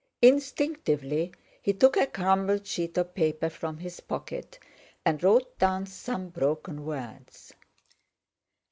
Instinctively he took a crumpled sheet of paper from his pocket, and wrote down some broken words.